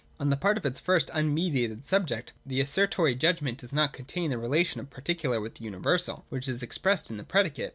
179.] On the part of its at first un mediated subject, the Assertory judgment does not contain the relation of particular with universal which is expressed in the predicate.